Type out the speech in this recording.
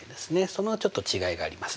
そのちょっと違いがありますね。